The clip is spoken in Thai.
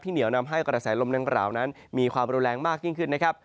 เหนียวนำให้กระแสลมดังกล่าวนั้นมีความรุนแรงมากยิ่งขึ้นนะครับ